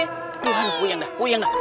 tuhan puyeng dah